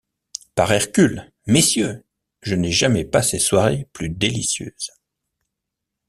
Par Hercule! messieurs ! je n’ai jamais passé soirée plus délicieuse.